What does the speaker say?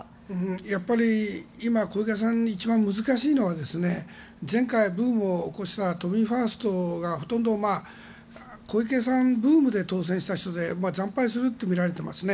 やっぱり今小池さん、一番難しいのは前回、ブームを起こした都民ファーストがほとんど小池さんブームで当選した人で惨敗するとみられていますね。